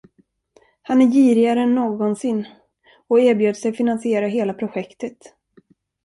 Han är girigare än någonsin, och erbjöd sig finansiera hela projektet.